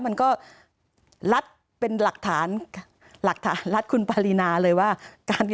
มันก็ลัดเป็นหลักฐานลัดคุณปริณาเลยว่า